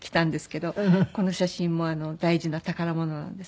この写真も大事な宝物なんです。